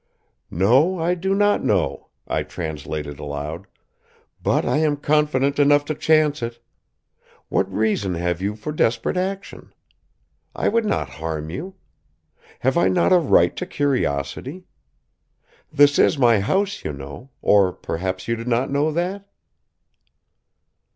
"No, I do not know," I translated aloud. "But I am confident enough to chance it. What reason have you for desperate action? I would not harm you. Have I not a right to curiosity? This is my house, you know. Or perhaps you did not know that?"